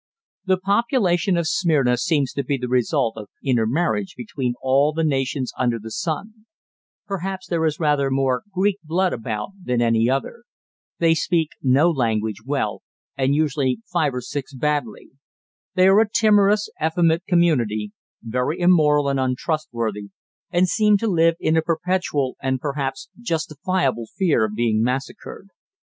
The population of Smyrna seems to be the result of inter marriage between all the nations under the sun. Perhaps there is rather more Greek blood about than any other. They speak no language well, and usually five or six badly. They are a timorous, effeminate community, very immoral and untrustworthy, and seem to live in a perpetual and perhaps justifiable fear of being massacred.